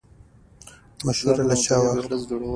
مشوره له چا واخلو؟